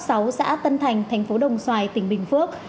xã tân thành tp đồng xoài tỉnh bình phước